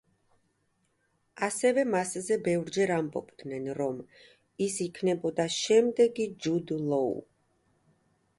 ასევე მასზე ბევრჯერ ამბობდნენ, რომ ის იქნებოდა შემდეგი ჯუდ ლოუ.